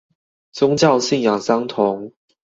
宗教信仰相同